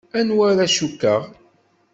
Anwa ara cukkeɣ?